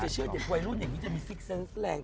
สวัสดีครับ